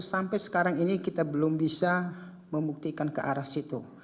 sampai sekarang ini kita belum bisa membuktikan ke arah situ